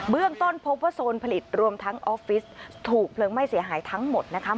เรื่องต้นพบว่าโซนผลิตรวมทั้งออฟฟิศถูกเพลิงไหม้เสียหายทั้งหมดนะคะ